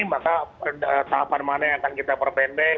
maka tahapan mana yang akan kita perpendek